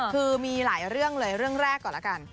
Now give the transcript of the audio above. คือมีหลายเรื่องเลยเรื่องแรกก่อนละกัน